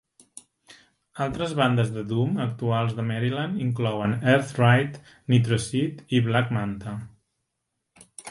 Altres bandes de "doom" actuals de Maryland inclouen Earthride, Nitroseed i Black Manta.